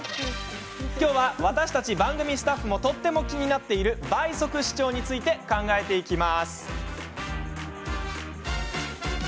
今日は、私たち番組スタッフもとっても気になっている倍速視聴について考えていきます。